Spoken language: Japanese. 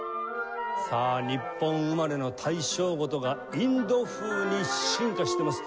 さあ日本生まれの大正琴がインド風に進化してます。